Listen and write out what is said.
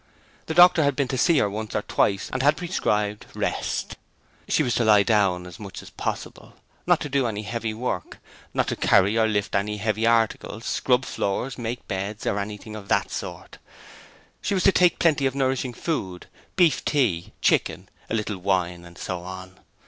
The doctor had been to see her once or twice and had prescribed rest. She was to lie down as much as possible, not to do any heavy work not to carry or lift any heavy articles, scrub floors, make beds, or anything of that sort: and she was to take plenty of nourishing food, beef tea, chicken, a little wine and so on.